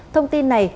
thông tin này